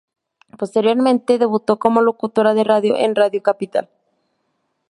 Posteriormente, debutó como locutora de radio en Radio Capital.